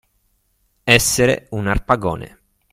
Essere un Arpagone.